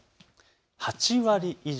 ８割以上。